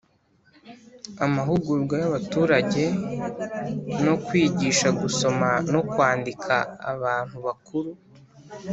amahugurwa y'abaturage no kwigisha gusoma no kwandika abantu bakuru: